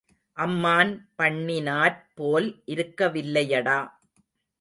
அம்மான் பண்ணினாற் போல் இருக்க வில்லையடா.